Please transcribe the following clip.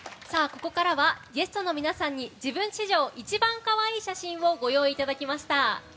ここからはゲストの皆さんに自分史上一番かわいい写真をご用意いただきました。